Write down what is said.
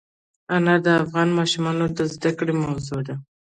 انار د افغان ماشومانو د زده کړې موضوع ده.